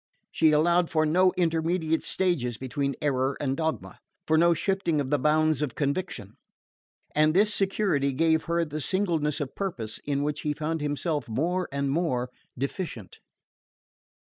She allowed for no intermediate stages between error and dogma, for no shifting of the bounds of conviction; and this security gave her the singleness of purpose in which he found himself more and more deficient.